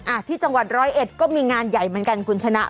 ที่จังหวัดร้อยเอ็ดก็มีงานใหญ่เหมือนกันคุณชนะ